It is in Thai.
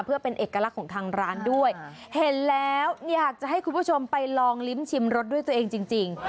เพื่อเป็นเอกลักษณ์ของทางร้านด้วยเห็นแล้วอยากจะให้คุณผู้ชมไปลองลิ้มชิมรสด้วยตัวเองจริงจริง